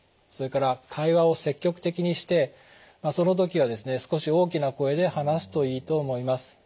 それから会話を積極的にしてその時はですね少し大きな声で話すといいと思います。